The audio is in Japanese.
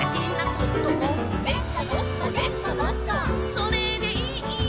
「それでいい」